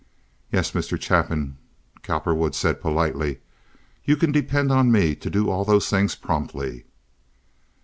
"Yes, Mr. Chapin," Cowperwood said, politely. "You can depend on me to do all those things promptly."